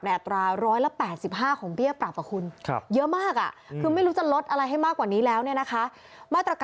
ในแอตรา๑๘๕ของเบี้ยปรับ